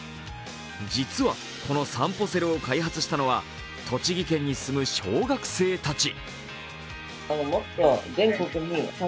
実はこのさんぽセルを開発したのは栃木県に住む小学生たち。